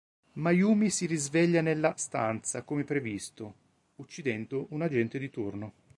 Mayumi si risveglia nella “stanza” come previsto, uccidendo un agente di turno.